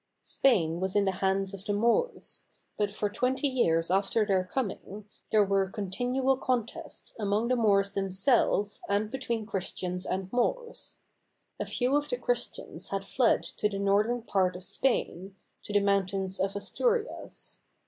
Spain was in the hands of the Moors; but for twenty years after their coming, there were continual contests among the Moors themselves and between Christians and Moors. A few of the Christians had fled to the northern part of Spain, to the mountains of Asturias.